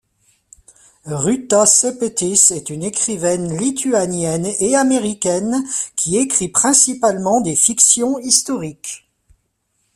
Ruta Sepetys est une écrivaine lituanienne et américaine qui écrit principalement des fictions historiques.